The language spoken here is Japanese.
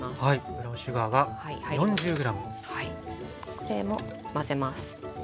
これも混ぜます。